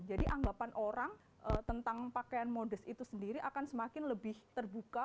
jadi anggapan orang tentang pakaian modus itu sendiri akan semakin lebih terbuka